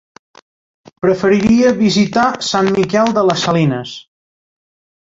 Preferiria visitar Sant Miquel de les Salines.